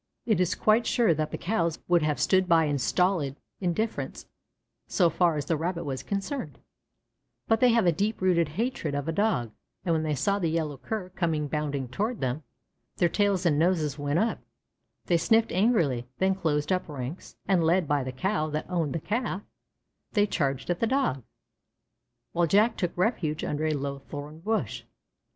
It is quite sure that the Cows would have stood by in stolid indifference so far as the Rabbit was concerned, but they have a deep rooted hatred of a dog, and when they saw the Yellow Cur coming bounding toward them, their tails and noses went up; they sniffed angrily, then closed up ranks, and led by the Cow that owned the Calf, they charged at the Dog, while Jack took refuge under a low thorn bush.